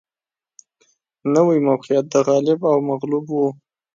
نوي موقعیت د غالب او مغلوب و